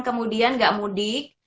kemudian gak mudik